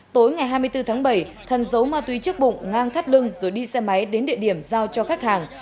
tối ngày hai mươi bốn tháng bảy thần dấu ma túy trước bụng ngang thắt đưng rồi đi xe máy đến địa điểm giao cho khách hàng